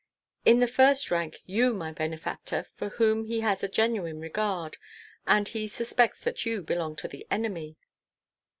"In the first rank you, my benefactor, for whom he has a genuine regard, and he suspects that you belong to the enemy."